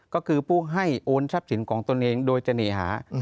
ก็คือผู้ให้โอนทรัพย์สินของตนเองโดยเสน่หา